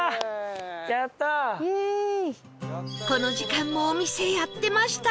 この時間もお店やってました